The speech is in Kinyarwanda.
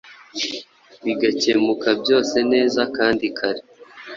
bigakemuka byose neza kandi kare